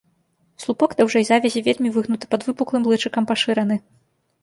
Слупок даўжэй завязі, вельмі выгнуты, пад выпуклым лычыкам пашыраны.